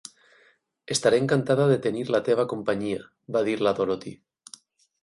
"Estaré encantada de tenir la teva companyia", va dir la Dorothy.